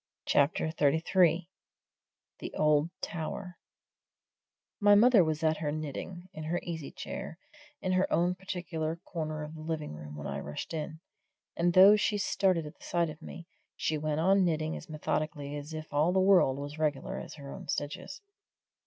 CHAPTER XXXIII THE OLD TOWER My mother was at her knitting, in her easy chair, in her own particular corner of the living room when I rushed in, and though she started at the sight of me, she went on knitting as methodically as if all the world was regular as her own stitches.